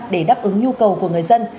để đáp ứng nhu cầu của người dân